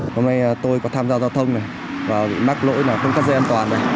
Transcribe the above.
hôm nay tôi có tham gia giao thông và bị mắc lỗi không cắt dây an toàn